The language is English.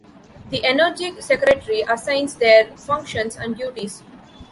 The Energy Secretary assigns their functions and duties.